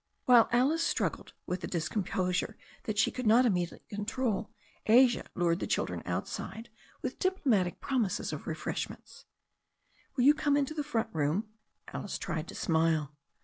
While Alice struggled with a discomposure that she could not immediately control, Asia lured the children outside with diplomatic promises of refreshment. "Will you come into the front room ?" Alice tried to smile.